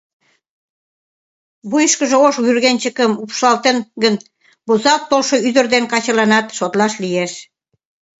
Вуйышкыжо ош вӱргенчыкым упшалташ гын, возалт толшо ӱдыр ден качыланат шотлаш лиеш.